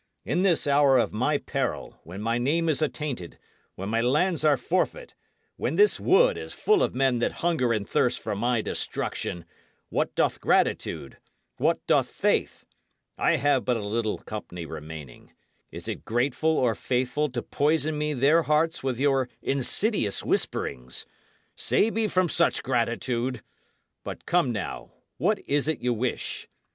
In this hour of my peril, when my name is attainted, when my lands are forfeit, when this wood is full of men that hunger and thirst for my destruction, what doth gratitude? what doth faith? I have but a little company remaining; is it grateful or faithful to poison me their hearts with your insidious whisperings? Save me from such gratitude! But, come, now, what is it ye wish?